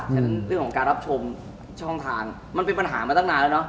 ฉะนั้นเรื่องของการรับชมช่องทางมันเป็นปัญหามาตั้งนานแล้วเนาะ